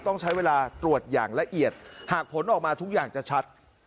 ต้องใช้เวลาตรวจอย่างละเอียดหากผลออกมาทุกอย่างจะชัด